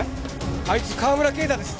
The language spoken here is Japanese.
あいつ川村啓太です！